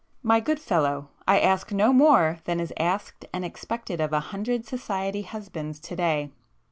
"My good fellow, I ask no more than is asked and expected of a hundred 'society' husbands to day.